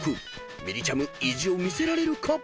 みりちゃむ意地を見せられるか］